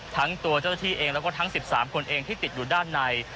ทั้งตัวเจ้าหน้าที่เองแล้วก็ทั้ง๑๓คนเองที่ติดอยู่ด้านใน